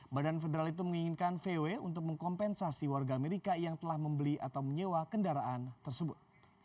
badan federal itu menginginkan vw untuk mengkompensasi warga amerika yang telah membeli atau menyewa kendaraan tersebut